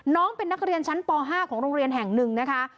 น้องเป็นนักเรียนชั้นป๕ของโรงเรียนแห่งหนึ่งนะคะ